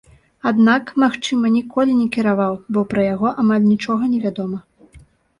Аднак, магчыма, ніколі не кіраваў, бо пра яго амаль нічога невядома.